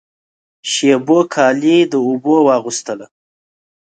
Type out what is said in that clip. شېبو کالی د اوبو واغوستله